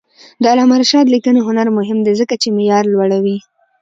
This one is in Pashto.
د علامه رشاد لیکنی هنر مهم دی ځکه چې معیار لوړوي.